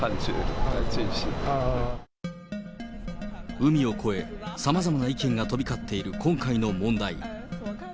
海を越え、さまざまな意見が飛び交っている今回の問題。